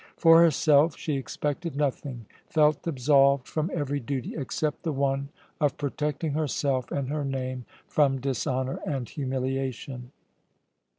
For herself she expected nothing, felt absolved from every duty except the one of protecting herself and her name from dishonour and humiliation.